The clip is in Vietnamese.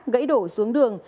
gãy đổ xuống đường